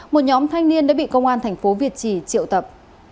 một nhóm thanh niên đã bị công an thành phố việt trì triệu tập